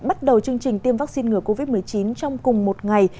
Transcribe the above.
bắt đầu chương trình tiêm vaccine ngừa covid một mươi chín trong cùng một ngày